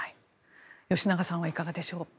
吉永さんはいかがでしょう。